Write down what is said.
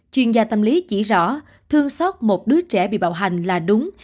chuyên gia tâm lý chỉ rõ thương xót một đứa trẻ bị bạo hành là đúng